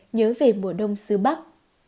nhớ về mùa đông xứ bắc